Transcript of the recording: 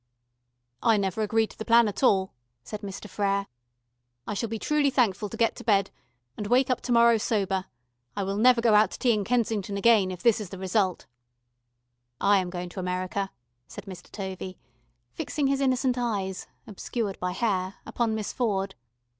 "I never agreed to the plan at all," said Mr. Frere. "I shall be truly thankful to get to bed, and wake up to morrow sober. I will never go out to tea in Kensington again if this is the result." "I am going to America," said Mr. Tovey, fixing his innocent eyes, obscured by hair, upon Miss Ford.